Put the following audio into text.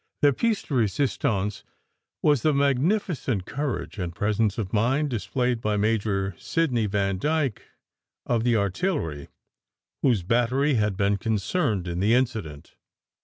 Their piece de resistance was the magnificent courage and pres ence of mind displayed by Major Sidney Vandyke of the th Artillery, whose battery had been concerned in the incident.